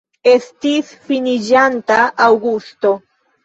Estis finiĝanta aŭgusto.